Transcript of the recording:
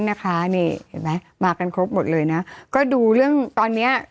นะคะนี่เห็นไหมมากันครบหมดเลยนะก็ดูเรื่องตอนเนี้ย